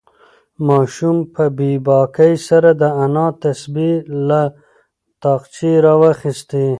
ماشوم په بې باکۍ سره د انا تسبیح له تاقچې راوخیستې.